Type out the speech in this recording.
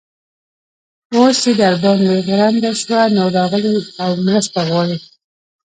اوس چې در باندې غرنده شوه؛ نو، راغلې او مرسته غواړې.